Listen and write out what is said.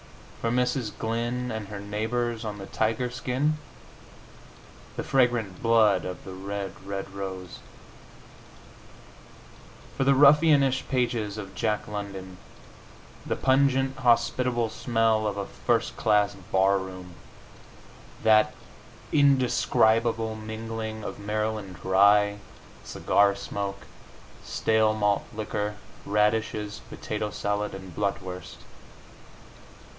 For Mrs. Glyn and her neighbors on the tiger skin, the fragrant blood of the red, red rose. For the ruffianish pages of Jack London, the pungent, hospitable smell of a first class bar room that indescribable mingling of Maryland rye, cigar smoke, stale malt liquor, radishes, potato salad and blutwurst.